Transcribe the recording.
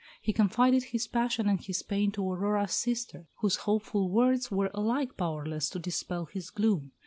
He confided his passion and his pain to Aurora's sister, whose hopeful words were alike powerless to dispel his gloom.